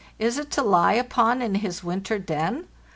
Is it to lie upon in his winter den?